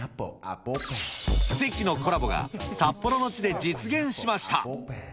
奇跡のコラボが、札幌の地で実現しました。